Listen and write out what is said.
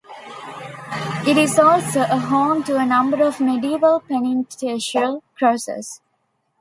It is also a home to a number of medieval penitential crosses.